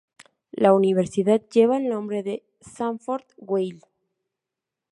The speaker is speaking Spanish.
La Universidad lleva el nombre de Sanford Weill.